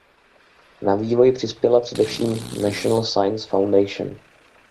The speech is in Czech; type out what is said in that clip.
Na vývoj přispěla především National Science Foundation.